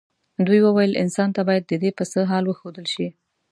دوی وویل انسان ته باید ددې پسه حال وښودل شي.